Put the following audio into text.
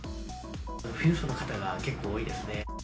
富裕層の方が結構多いですね。